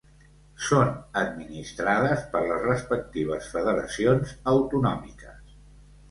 Són administrades per les respectives federacions autonòmiques.